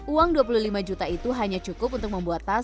uang dua puluh lima juta itu hanya cukup untuk membuat tas